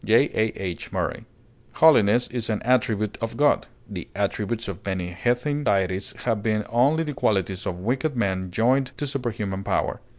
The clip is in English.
J. A. H. MURRAY. [M.] Holiness is an attribute of God; the attributes of many heathen deities have been only the qualities of wicked men joined to superhuman power.